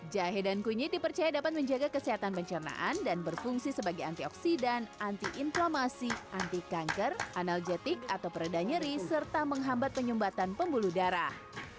jahe dan kunyit dipercaya dapat menjaga kesehatan pencernaan dan berfungsi sebagai antioksidan anti inflamasi anti kanker analgetik atau peredah nyeri serta menghambat penyumbatan pembuluh darah